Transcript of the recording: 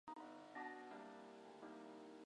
色码标示的电阻其单位取欧姆。